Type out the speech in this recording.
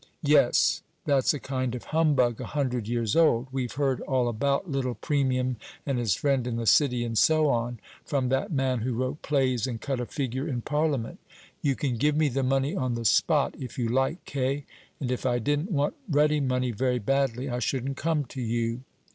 "Yes; that's a kind of humbug a hundred years old. We've heard all about little Premium and his friend in the City, and so on, from that man who wrote plays and cut a figure in Parliament. You can give me the money on the spot if you like, Kaye; and if I didn't want ready money very badly I shouldn't come to you.